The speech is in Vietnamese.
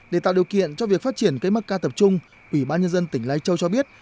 để tạo điều kiện cho việc phát triển cây mắc ca tập trung ủy ban nhân dân tỉnh lai châu cho biết